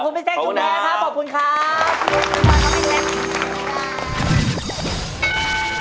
ขอบคุณพิเศษจุงแร้ครับขอบคุณครับ